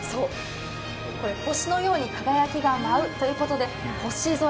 星のように輝きが舞うということで星空